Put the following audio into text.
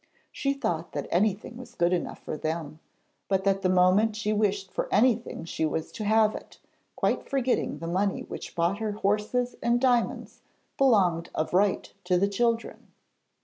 She thought that anything was good enough for them, but that the moment she wished for anything she was to have it quite forgetting that the money which bought her horses and diamonds belonged of right to the children.